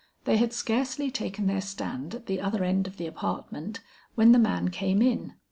They had scarcely taken their stand at the other end of the apartment, when the man came in.